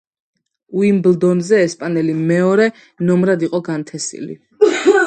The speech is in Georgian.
უიმბლდონზე ესპანელი მეორე ნომრად იყო განთესილი.